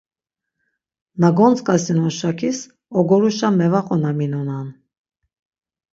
Na gontzǩasinon şakis ogoruşa mevaqonaminonan.